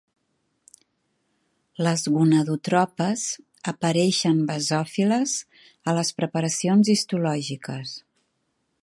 Les gonadotropes apareixen basòfiles a les preparacions histològiques.